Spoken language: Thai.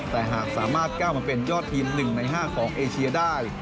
แต่หากสามารถก้าวมาเป็นยอดทีม๑ใน๕ของเอเชียได้